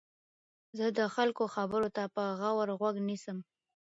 زه د خلکو خبرو ته په غور غوږ نیسم.